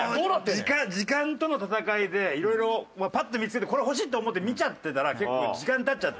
時間との闘いで色々パッと見つけてこれ欲しいと思って見ちゃってたら結構時間経っちゃって。